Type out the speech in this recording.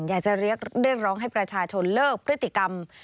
อยากจะเรียกร้องให้ประชาชนเลิกพฤติกรรม